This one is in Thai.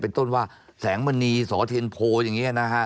เป็นต้นว่าแสงมณีสอเทียนโพอย่างนี้นะฮะ